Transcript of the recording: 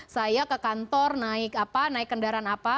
saya ke kantor naik apa naik kendaraan apa